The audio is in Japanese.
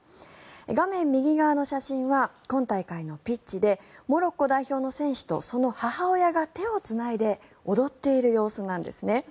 画面右側の写真は今大会のピッチでモロッコ代表の選手とその母親が手をつないで踊っている様子なんですね。